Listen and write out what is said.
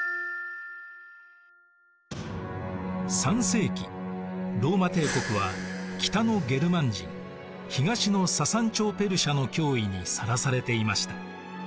３世紀ローマ帝国は北のゲルマン人東のササン朝ペルシアの脅威にさらされていました。